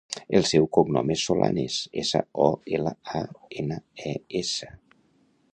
El seu cognom és Solanes: essa, o, ela, a, ena, e, essa.